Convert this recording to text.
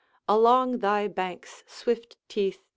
Along thy banks, swift Teith!